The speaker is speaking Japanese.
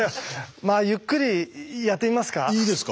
まあゆっくりやってみますか？